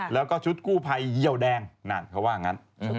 แล้วก็ชุดกู้ภัยเยี่ยวแดงนั่นเขาว่างั้น